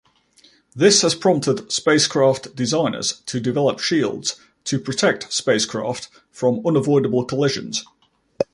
This has prompted spacecraft designers to develop shields to protect spacecraft from unavoidable collisions.